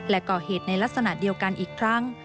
และก่อเหตุในลักษณะเดียวกันอีกครั้ง